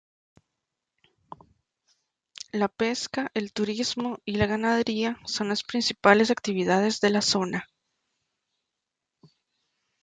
La pesca, el turismo y la ganadería son las principales actividades de la zona.